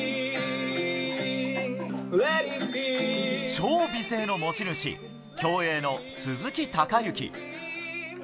超美声の持ち主、競泳の鈴木孝幸。